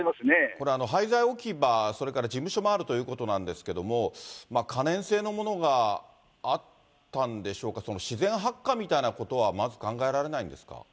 これ、廃材置き場、それから事務所もあるということなんですけれども、可燃性のものがあったんでしょうか、その、自然発火みたいなことはまず考えられないんですか。